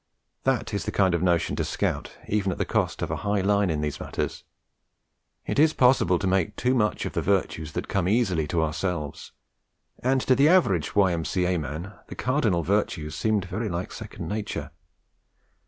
That is the kind of notion to scout even at the cost of a high line in these matters. It is possible to make too much of the virtues that come easily to ourselves; and to the average Y.M.C.A. man the cardinal virtues seemed very like second nature.